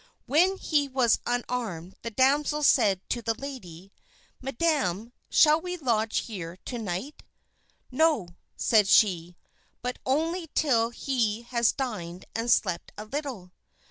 When he was unarmed the damsel said to the lady, "Madam, shall we lodge here to night?" "No," said she, "but only till he has dined and slept a little."